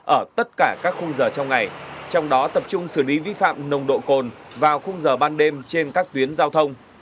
ở tất cả các khung giờ trong ngày trong đó tập trung xử lý vi phạm nồng độ cồn vào khung giờ ban đêm trên các tuyến giao thông